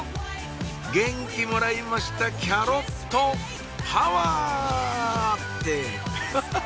元気もらいましたキャロットパワー！ってハハっ！